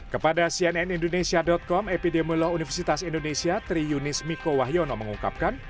kepada cnnindonesia com epidemiologi universitas indonesia tri yunis miko wahyono mengungkapkan